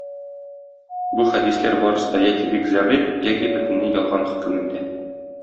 Бу хәдисләр барысы да яки бик "загыйфь", яки бөтенләй ялган хөкемендә.